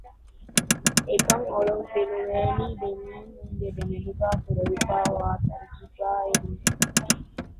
އެކަން އޮޅުން ފިލުވޭނީ ދެމީހުންގެ ދެމެދުގައި ކުރެވިފައިވާ ތަޖުރިބާއިން